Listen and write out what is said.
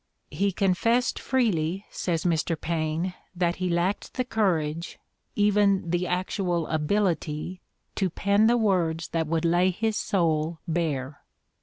"He Iconfessed freely," says Mr. Paine, "that he lacked the /courage, even the actual ability, to pen the words that [would lay his soul bare."